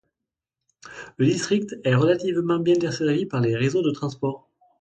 Le district est relativement bien desservi par les réseaux de transports.